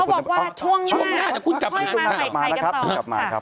เขาบอกว่าช่วงหน้าคุณกลับมานะครับ